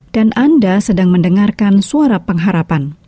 dan anda sedang mendengarkan suara pengharapan